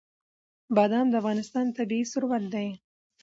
بادام د افغانستان طبعي ثروت دی.